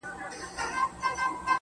• ستا وه ځوانۍ ته دي لوگى سمه زه.